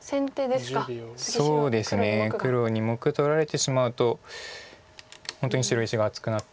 黒２目取られてしまうと本当に白石が厚くなって。